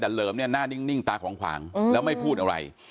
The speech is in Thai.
แต่เหลิมเนี่ยหน้านิ่งตาของขวางแล้วไม่พูดอะไร